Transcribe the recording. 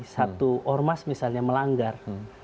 satu ormas misalnya melanggar